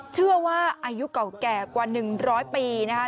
เชื่อว่าอายุเก่าแก่กว่า๑๐๐ปีนะคะ